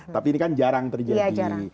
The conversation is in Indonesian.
tapi ini kan jarang terjadi